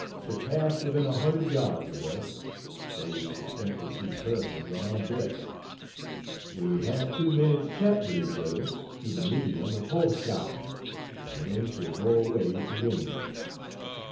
She passed within a hundred yards of us, so we could faintly see persons on her decks. We had two minutes' chat with each other, through the medium of hoarse shouting, and then she bore away to windward.